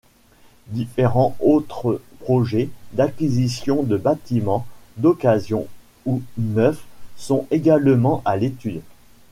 Différents autres projets d’acquisition de bâtiments d’occasion ou neufs sont également à l’étude.